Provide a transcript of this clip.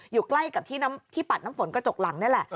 อยู่ใกล้กับที่ปัดน้ำฝนกระจกหลังนี่แหละ